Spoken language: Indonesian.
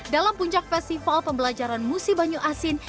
dalam puncak festival pembelajaran musi banyu asin